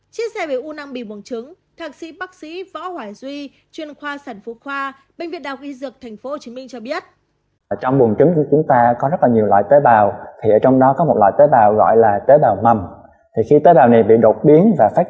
chia sẻ về u năng bì bùng trứng thạc sĩ bác sĩ võ hỏa duy chuyên khoa sản phú khoa bệnh viện đào ghi dược tp hcm cho biết